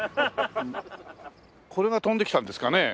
これが飛んできたんですかね？